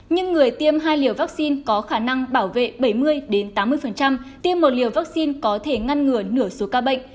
nhưng người tiêm hai liều vaccine có khả năng bảo vệ bảy mươi tám mươi tiêm một liều vaccine có thể ngăn ngừa nửa số ca bệnh